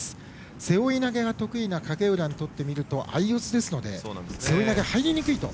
背負い投げが得意な影浦にとって相四つですのでそれだけ入りにくいと。